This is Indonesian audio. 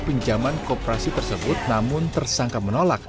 pinjaman kooperasi tersebut namun tersangka menolak